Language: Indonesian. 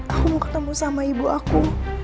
aku mau ketemu sama ibu aku